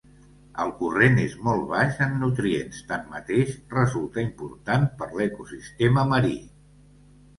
El corrent és molt baix en nutrients, tanmateix, resulta important per l'ecosistema marí.